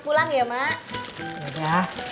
kalo udah selesai